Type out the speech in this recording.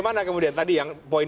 lanjutkan lagi voor mengintipi